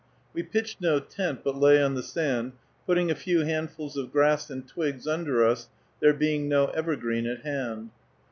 We pitched no tent, but lay on the sand, putting a few handfuls of grass and twigs under us, there being no evergreen at hand.